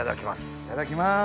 いただきます。